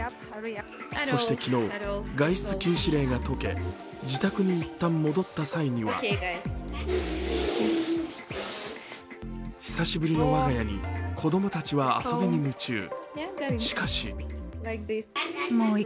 そして昨日、外出禁止令が解け自宅にいったん戻った際には久しぶりの我が家に子供たちは遊びに夢中。